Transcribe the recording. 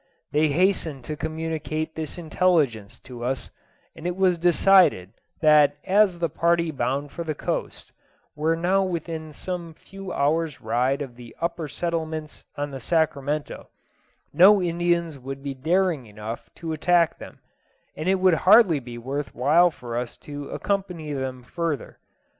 They hastened to communicate this intelligence to us, and it was decided that as the party bound for the coast were now within some few hours' ride of the upper settlements on the Sacramento, no Indians would be daring enough to attack them, and it would hardly be worth while for us to accompany them further.